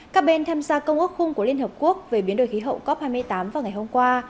các bên tham gia công ước khung của liên hợp quốc về biến đổi khí hậu cop hai mươi tám vào ngày hôm qua